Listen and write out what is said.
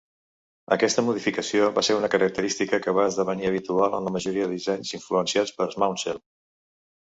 Aquesta modificació va ser una característica que va esdevenir habitual en la majoria dels dissenys influenciats per Maunsell.